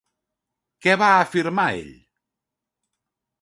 Què va afirmar ell?